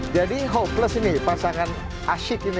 jadi hopeless ini pasangan asyik ini